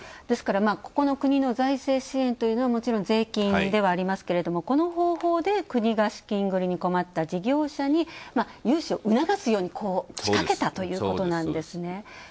ですから、国の財政支援というのはもちろん税金ではありますけどこの方法で国が資金繰りに困った事業者に融資を促すように仕掛けたということなんですね。